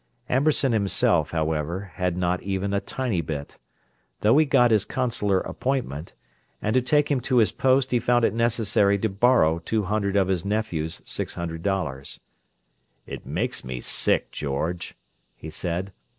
Amberson himself, however, had not even a "tiny bit"; though he got his consular appointment; and to take him to his post he found it necessary to borrow two hundred of his nephew's six hundred dollars. "It makes me sick, George," he said.